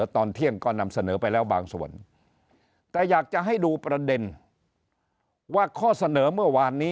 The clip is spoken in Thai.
ตอนเที่ยงก็นำเสนอไปแล้วบางส่วนแต่อยากจะให้ดูประเด็นว่าข้อเสนอเมื่อวานนี้